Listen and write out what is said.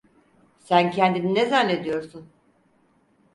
Sen kendini ne zannediyorsun?